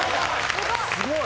すごい！